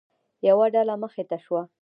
یوه ډله مخې ته شوه.